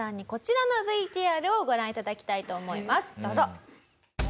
どうぞ。